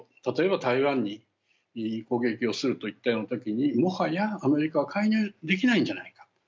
例えば台湾に攻撃をするといったようなときにもはやアメリカは介入できないんじゃないか。